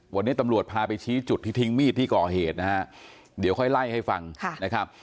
วันนี้ตำรวจพาไปชี้จุดที่ทิ้งมีดที่ก่อเหตุนะฮะเดี๋ยวค่อยไล่ให้ฟังนะครับ